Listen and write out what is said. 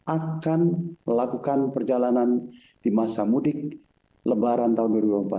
akan melakukan perjalanan di masa mudik lebaran tahun dua ribu empat belas